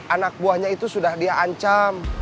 anak buahnya itu sudah dia ancam